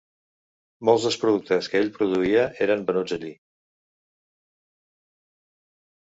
Molts dels productes que ell produïa eren venuts allí.